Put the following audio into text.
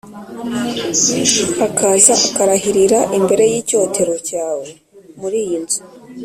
akaza akarahirira imbere y’icyotero cyawe muri iyi nzu